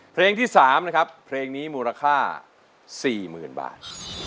เพลงที่สามนะครับเพลงนี้มูลค่าสี่หมื่นบาท